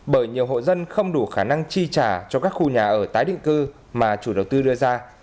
bởi nhiều hộ dân không đủ khả năng chi trả cho các khu nhà ở tái định cư mà chủ đầu tư đưa ra